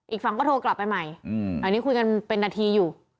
อีกฝั่งก็โทรกลับไปใหม่อันนี้คุยกันเป็นนาทีอยู่